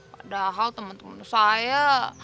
padahal temen temen saya